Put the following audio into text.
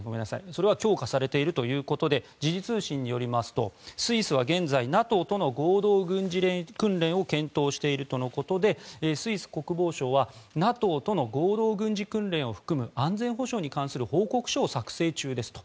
それは強化されているということで時事通信によりますとスイスは現在ＮＡＴＯとの合同軍事訓練を検討しているとのことでスイス国防省はＮＡＴＯとの合同軍事訓練を含む安全保障に関する報告書をを作成中ですと。